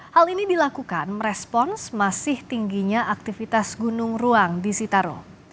hal ini dilakukan merespons masih tingginya aktivitas gunung ruang di sitaro